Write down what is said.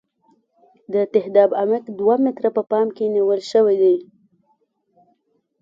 د تهداب عمق دوه متره په پام کې نیول شوی دی